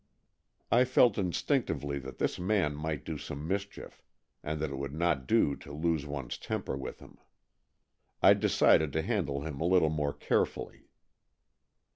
I felt instinctively that this man might do some mischief, and that it would not do to lose one's temper with him. I decided to handle him a little more carefully.